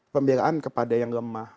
pembelaan kepada yang lemah